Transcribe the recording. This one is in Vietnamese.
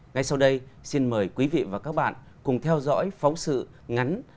ngay sau đây xin mời quý vị và các bạn cùng theo dõi phóng sự ngắn